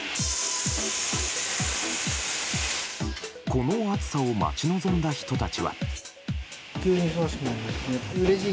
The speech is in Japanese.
この暑さを待ち望んだ人たちは。